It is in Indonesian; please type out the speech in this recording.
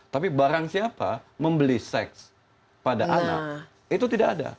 tapi barang siapa membeli seks pada anak itu tidak ada